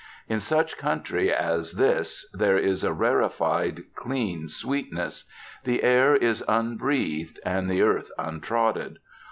In such country as this there is a rarefied clean sweetness. The air is unbreathed, and the earth untrodden.